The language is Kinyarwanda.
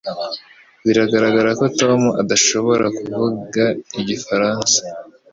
Biragaragara ko Tom adashobora kuvuga igifaransa